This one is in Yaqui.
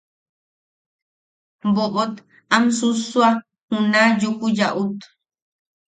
Boʼot am susua juna Yuku Yaʼut.